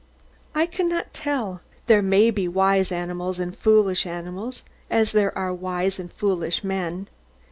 I cannot tell: there may be wise animals and foolish animals, as there are wise and foolish men.